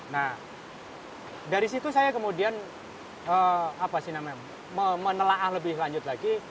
nah dari situ saya kemudian menelaah lebih lanjut lagi